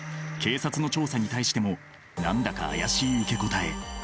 警察の調査に対しても何だか怪しい受け答え。